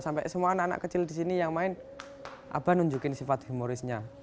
sampai semua anak anak kecil di sini yang main abah nunjukin sifat humorisnya